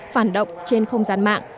phản động trên không gian mạng